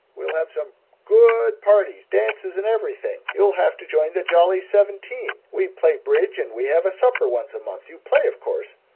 We'll have some good parties dances and everything. You'll have to join the Jolly Seventeen. We play bridge and we have a supper once a month. You play, of course?"